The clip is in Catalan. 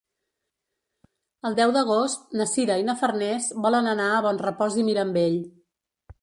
El deu d'agost na Sira i na Farners volen anar a Bonrepòs i Mirambell.